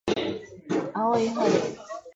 青い春